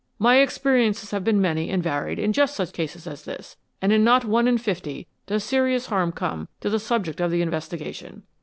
My experiences have been many and varied in just such cases as this, and in not one in fifty does serious harm come to the subject of the investigation.